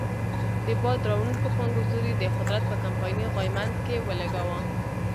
د باد راوړو پانګو زور یې د قدرت په کمپایني غویمنډ کې ولګاوه.